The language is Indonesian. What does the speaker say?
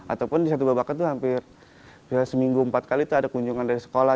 ataupun di setubabakan itu hampir biasanya seminggu empat kali itu ada kunjungan dari sekolah